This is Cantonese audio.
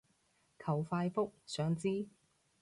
求快覆，想知